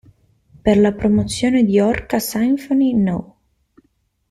Per la promozione di "Orca Symphony No.